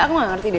aku gak ngerti deh